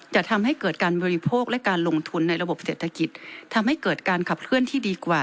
จะทำให้เกิดการบริโภคและการลงทุนในระบบเศรษฐกิจทำให้เกิดการขับเคลื่อนที่ดีกว่า